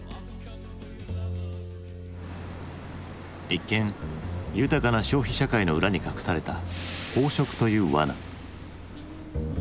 一見豊かな消費社会の裏に隠された飽食というわな。